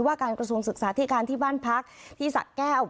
การกระทรวงศึกษาที่การที่บ้านพักที่สะแก้ว